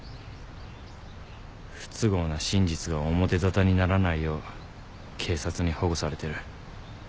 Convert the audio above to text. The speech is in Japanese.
不都合な真実が表沙汰にならないよう警察に保護されてる。